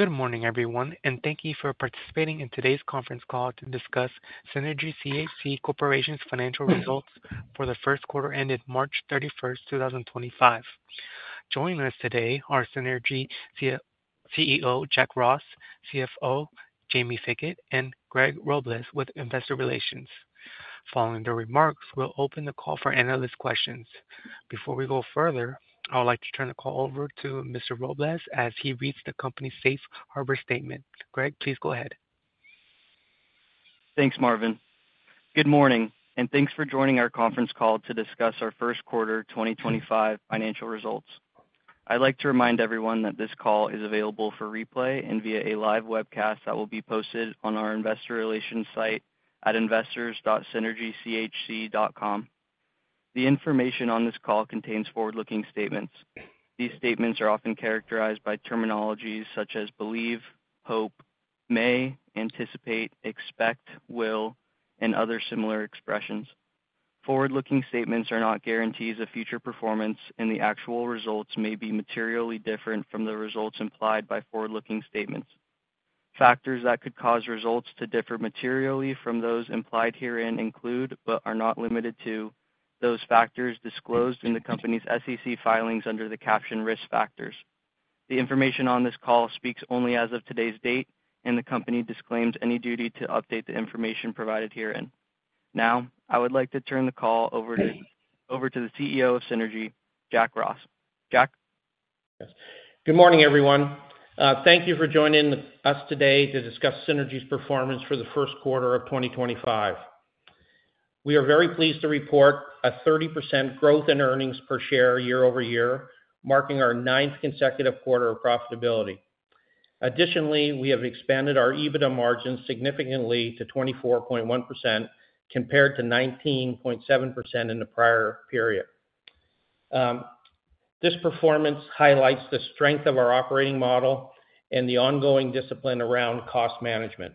Good morning, everyone, and thank you for participating in today's Conference Call to discuss Synergy CHC Corporation's Financial Results for the First Quarter ended March 31, 2025. Joining us today are Synergy CEO Jack Ross, CFO Jaime Fickett, and Greg Robles with Investor Relations. Following their remarks, we'll open the call for analyst questions. Before we go further, I would like to turn the call over to Mr. Robles as he reads the company's Safe Harbor statement. Greg, please go ahead. Thanks, Marvin. Good morning, and thanks for joining our conference call to discuss our first quarter 2025 financial results. I'd like to remind everyone that this call is available for replay and via a live webcast that will be posted on our Investor Relations site at investors.synergychc.com. The information on this call contains forward-looking statements. These statements are often characterized by terminologies such as believe, hope, may, anticipate, expect, will, and other similar expressions. Forward-looking statements are not guarantees of future performance, and the actual results may be materially different from the results implied by forward-looking statements. Factors that could cause results to differ materially from those implied herein include, but are not limited to, those factors disclosed in the company's SEC filings under the captioned risk factors. The information on this call speaks only as of today's date, and the company disclaims any duty to update the information provided herein. Now, I would like to turn the call over to the CEO of Synergy, Jack Ross. Jack? Yes. Good morning, everyone. Thank you for joining us today to discuss Synergy's performance for the first quarter of 2025. We are very pleased to report a 30% growth in earnings per share year over year, marking our ninth consecutive quarter of profitability. Additionally, we have expanded our EBITDA margins significantly to 24.1% compared to 19.7% in the prior period. This performance highlights the strength of our operating model and the ongoing discipline around cost management.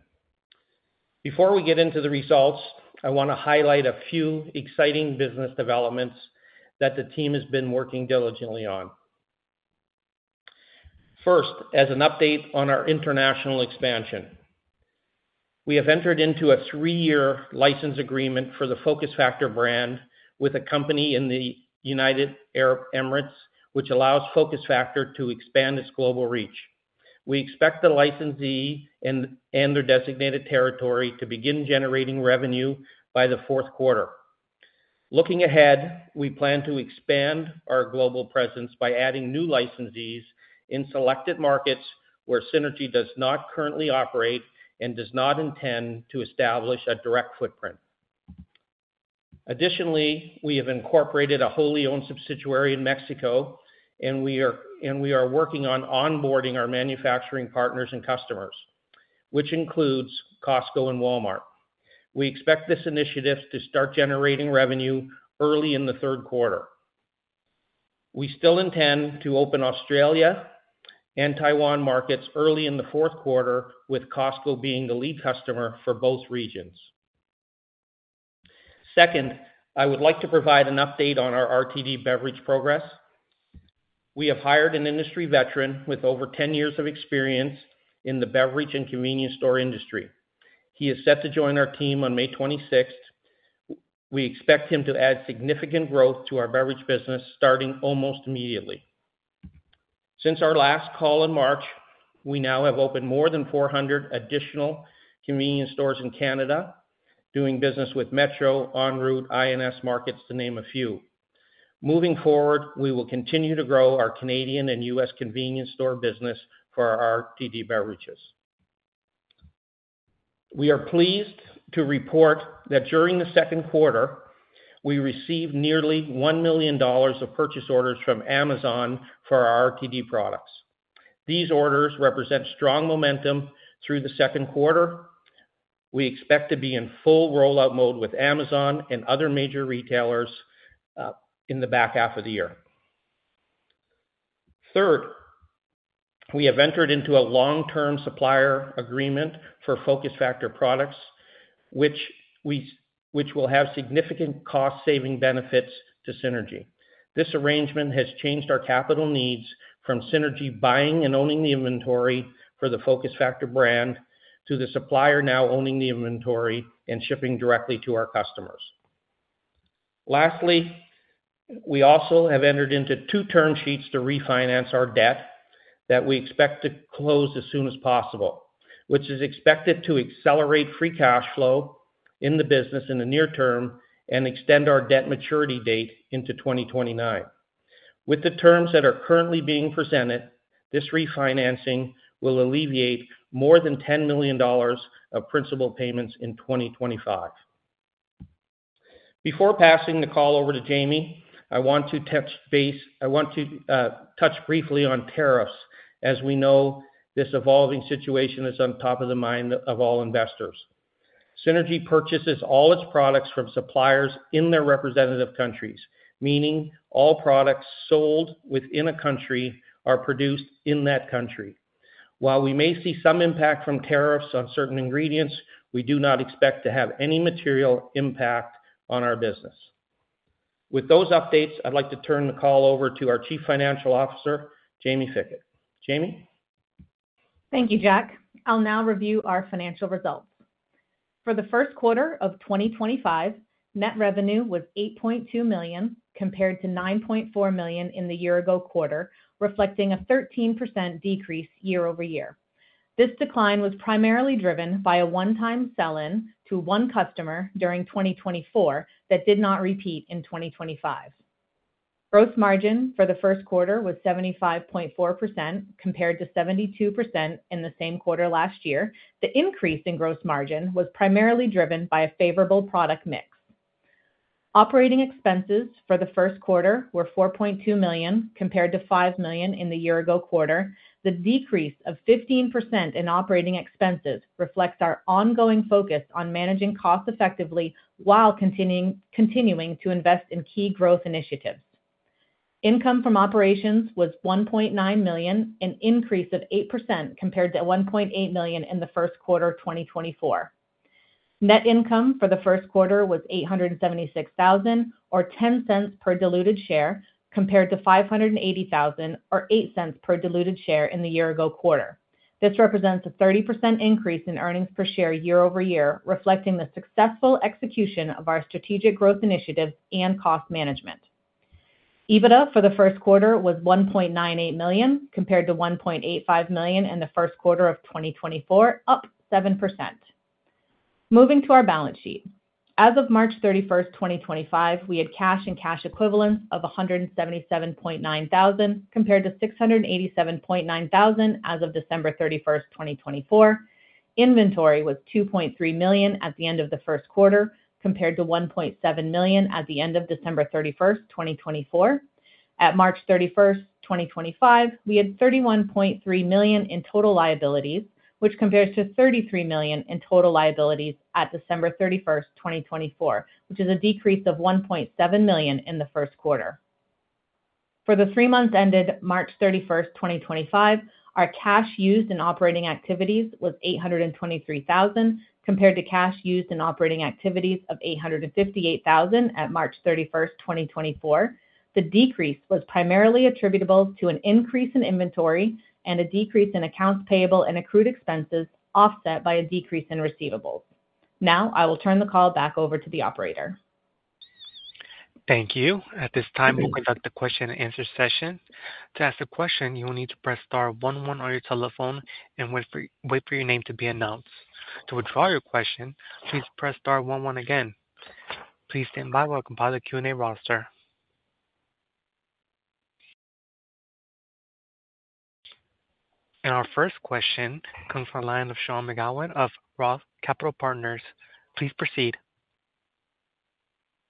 Before we get into the results, I want to highlight a few exciting business developments that the team has been working diligently on. First, as an update on our international expansion, we have entered into a three-year license agreement for the Focus Factor brand with a company in the United Arab Emirates, which allows Focus Factor to expand its global reach. We expect the licensee and their designated territory to begin generating revenue by the fourth quarter. Looking ahead, we plan to expand our global presence by adding new licensees in selected markets where Synergy does not currently operate and does not intend to establish a direct footprint. Additionally, we have incorporated a wholly owned subsidiary in Mexico, and we are working on onboarding our manufacturing partners and customers, which includes Costco and Walmart. We expect this initiative to start generating revenue early in the third quarter. We still intend to open Australia and Taiwan markets early in the fourth quarter, with Costco being the lead customer for both regions. Second, I would like to provide an update on our RTD beverage progress. We have hired an industry veteran with over 10 years of experience in the beverage and convenience store industry. He is set to join our team on May 26th. We expect him to add significant growth to our beverage business starting almost immediately. Since our last call in March, we now have opened more than 400 additional convenience stores in Canada, doing business with Metro, En-Route, INS markets, to name a few. Moving forward, we will continue to grow our Canadian and U.S. convenience store business for our RTD beverages. We are pleased to report that during the second quarter, we received nearly $1 million of purchase orders from Amazon for our RTD products. These orders represent strong momentum through the second quarter. We expect to be in full rollout mode with Amazon and other major retailers in the back half of the year. Third, we have entered into a long-term supplier agreement for Focus Factor products, which will have significant cost-saving benefits to Synergy. This arrangement has changed our capital needs from Synergy buying and owning the inventory for the Focus Factor brand to the supplier now owning the inventory and shipping directly to our customers. Lastly, we also have entered into two term sheets to refinance our debt that we expect to close as soon as possible, which is expected to accelerate free cash flow in the business in the near term and extend our debt maturity date into 2029. With the terms that are currently being presented, this refinancing will alleviate more than $10 million of principal payments in 2025. Before passing the call over to Jaime, I want to touch briefly on tariffs, as we know this evolving situation is on top of the mind of all investors. Synergy purchases all its products from suppliers in their representative countries, meaning all products sold within a country are produced in that country. While we may see some impact from tariffs on certain ingredients, we do not expect to have any material impact on our business. With those updates, I'd like to turn the call over to our Chief Financial Officer, Jaime Fickett. Jaime? Thank you, Jack. I'll now review our financial results. For the first quarter of 2025, net revenue was $8.2 million compared to $9.4 million in the year-ago quarter, reflecting a 13% decrease year over year. This decline was primarily driven by a one-time sell-in to one customer during 2024 that did not repeat in 2025. Gross margin for the first quarter was 75.4% compared to 72% in the same quarter last year. The increase in gross margin was primarily driven by a favorable product mix. Operating expenses for the first quarter were $4.2 million compared to $5 million in the year-ago quarter. The decrease of 15% in operating expenses reflects our ongoing focus on managing costs effectively while continuing to invest in key growth initiatives. Income from operations was $1.9 million, an increase of 8% compared to $1.8 million in the first quarter of 2024. Net income for the first quarter was $876,000, or $0.10 per diluted share, compared to $580,000, or $0.08 per diluted share in the year-ago quarter. This represents a 30% increase in earnings per share year over year, reflecting the successful execution of our strategic growth initiatives and cost management. EBITDA for the first quarter was $1.98 million compared to $1.85 million in the first quarter of 2024, up 7%. Moving to our balance sheet. As of March 31, 2025, we had cash and cash equivalents of $177,900 compared to $687,900 as of December 31, 2024. Inventory was $2.3 million at the end of the first quarter compared to $1.7 million at the end of December 31, 2024. At March 31st, 2025, we had $31.3 million in total liabilities, which compares to $33 million in total liabilities at December 31st, 2024, which is a decrease of $1.7 million in the first quarter. For the three months ended March 31st, 2025, our cash used in operating activities was $823,000 compared to cash used in operating activities of $858,000 at March 31st, 2024. The decrease was primarily attributable to an increase in inventory and a decrease in accounts payable and accrued expenses offset by a decrease in receivables. Now, I will turn the call back over to the operator. Thank you. At this time, we'll conduct the question-and-answer session. To ask a question, you will need to press star 11 on your telephone and wait for your name to be announced. To withdraw your question, please press star 11 again. Please stand by while I compile the Q&A roster. Our first question comes from the line of Sean McGowan of Roth Capital Partners. Please proceed.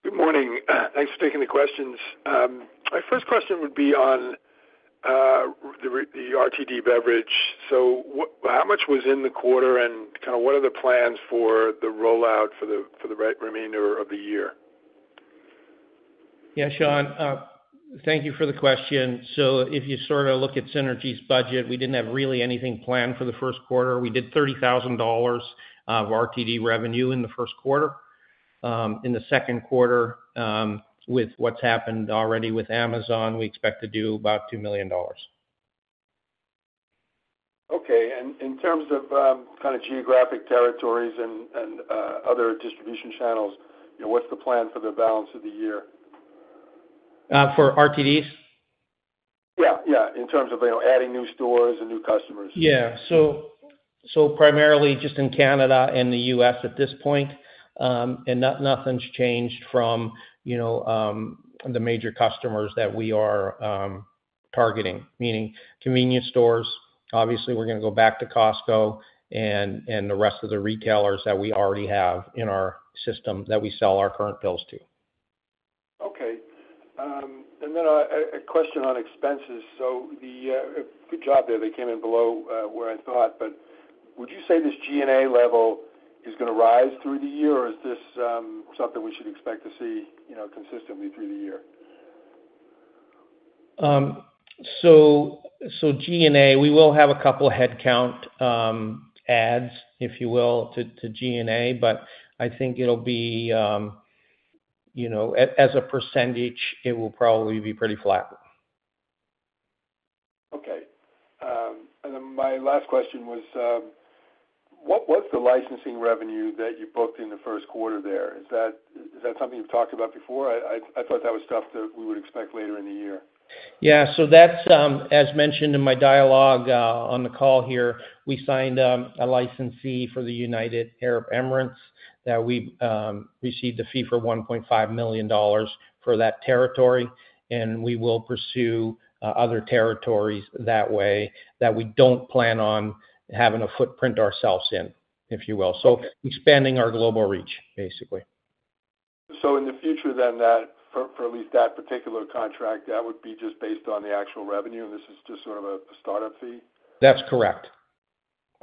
Good morning. Thanks for taking the questions. My first question would be on the RTD beverage. So how much was in the quarter, and kind of what are the plans for the rollout for the remainder of the year? Yeah, Sean, thank you for the question. If you sort of look at Synergy's budget, we did not have really anything planned for the first quarter. We did $30,000 of RTD revenue in the first quarter. In the second quarter, with what has happened already with Amazon, we expect to do about $2 million. Okay. In terms of kind of geographic territories and other distribution channels, what's the plan for the balance of the year? For RTDs? Yeah, yeah. In terms of adding new stores and new customers. Yeah. So primarily just in Canada and the U.S. at this point, and nothing's changed from the major customers that we are targeting, meaning convenience stores. Obviously, we're going to go back to Costco and the rest of the retailers that we already have in our system that we sell our current bills to. Okay. And then a question on expenses. Good job there. They came in below where I thought. Would you say this G&A level is going to rise through the year, or is this something we should expect to see consistently through the year? G&A, we will have a couple of headcount adds, if you will, to G&A, but I think it'll be as a percentage, it will probably be pretty flat. Okay. My last question was, what was the licensing revenue that you booked in the first quarter there? Is that something you've talked about before? I thought that was stuff that we would expect later in the year. Yeah. As mentioned in my dialogue on the call here, we signed a licensee for the United Arab Emirates that we received a fee for $1.5 million for that territory, and we will pursue other territories that way that we do not plan on having a footprint ourselves in, if you will. Expanding our global reach, basically. In the future, then, for at least that particular contract, that would be just based on the actual revenue, and this is just sort of a startup fee? That's correct.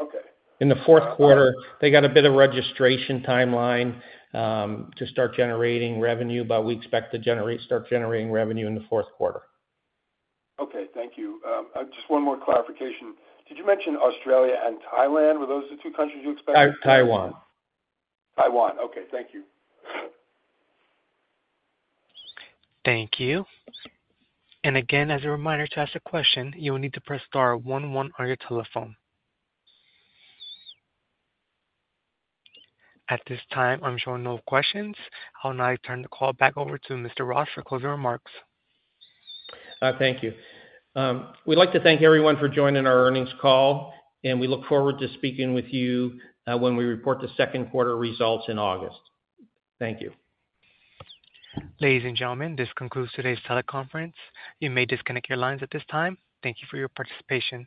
Okay. In the fourth quarter, they got a bit of registration timeline to start generating revenue, but we expect to start generating revenue in the fourth quarter. Okay. Thank you. Just one more clarification. Did you mention Australia and Thailand? Were those the two countries you expected? Taiwan. Taiwan. Okay. Thank you. Thank you. As a reminder, to ask a question, you will need to press star 11 on your telephone. At this time, I'm showing no questions. I'll now turn the call back over to Mr. Ross for closing remarks. Thank you. We'd like to thank everyone for joining our earnings call, and we look forward to speaking with you when we report the second quarter results in August. Thank you. Ladies and gentlemen, this concludes today's teleconference. You may disconnect your lines at this time. Thank you for your participation.